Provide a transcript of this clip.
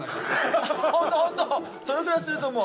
それぐらいすると思う。